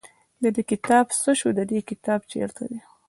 د ده کتاب څه شو د دې کتاب چېرته دی.